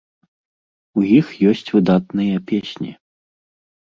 У іх ёсць выдатныя песні!